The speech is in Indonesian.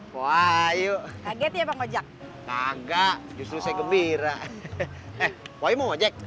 woi yuk kaget ya bang ojak kagak justru saya gembira eh woi mojek